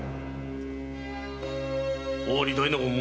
尾張大納言宗